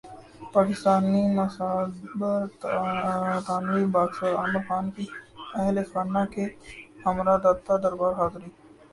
پاکستانی نژادبرطانوی باکسر عامر خان کی اہل خانہ کےہمراہ داتادربار حاضری